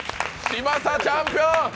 嶋佐、チャンピオン。